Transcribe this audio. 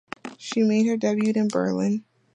She made her debut in Berlin.